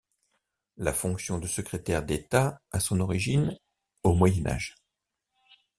La fonction de secrétaire d'État a son origine au Moyen Âge.